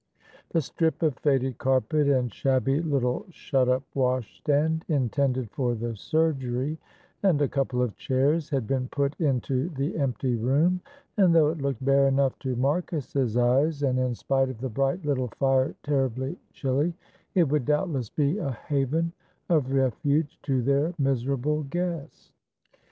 The strip of faded carpet and shabby little shut up washstand intended for the surgery, and a couple of chairs, had been put into the empty room, and though it looked bare enough to Marcus's eyes, and in spite of the bright little fire terribly chilly, it would doubtless be a haven of refuge to their miserable guest.